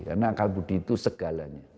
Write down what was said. karena akal budi itu segalanya